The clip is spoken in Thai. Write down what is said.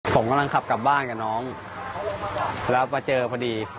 ผมกำลังขับกลับบ้านกับน้องแล้วมาเจอพอดี